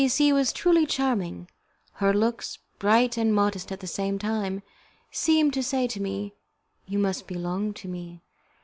C C was truly charming; her looks, bright and modest at the same time, seemed to say to me, "You must belong to me."